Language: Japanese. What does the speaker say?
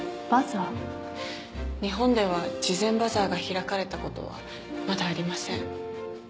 日本では慈善バザーが開かれた事はまだありません。